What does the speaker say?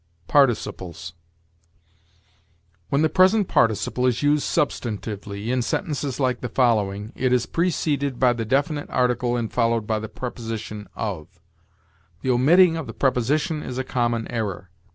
PARTICIPLES. When the present participle is used substantively, in sentences like the following, it is preceded by the definite article and followed by the preposition of. The omitting of the preposition is a common error.